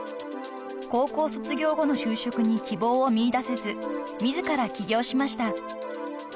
［高校卒業後の就職に希望を見いだせず自ら企業しました］